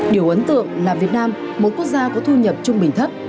điều ấn tượng là việt nam một quốc gia có thu nhập trung bình thấp